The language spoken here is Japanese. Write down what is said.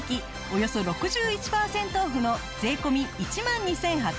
およそ６１パーセントオフの税込１万２８００円。